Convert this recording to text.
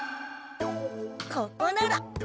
ここなら。